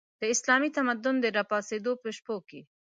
د اسلامي تمدن د راپرځېدلو په شپو کې.